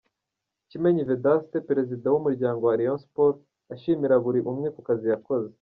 Kimenyi Vedaste perezida w'umuryango wa Rayon Sports ashimira buri umwe ku kazi yakoze.